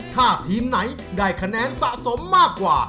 ถ้าทีมไหนได้คะแนนสะสมมากกว่า